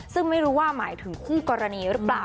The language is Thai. ซึ่งไม่รู้ว่าหมายถึงคู่กรณีหรือเปล่า